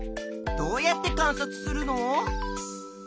どうやって観察するの？